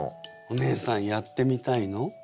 お姉さんやってみたいの？